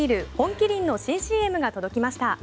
麒麟の新ＣＭが届きました。